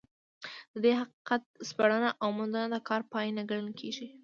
د دې حقیقت سپړنه او موندنه د کار پای نه ګڼل کېږي.